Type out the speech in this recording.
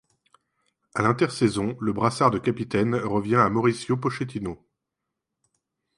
À l’intersaison, le brassard de capitaine revient à Mauricio Pochettino.